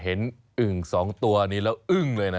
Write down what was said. อึ่ง๒ตัวนี้แล้วอึ้งเลยนะ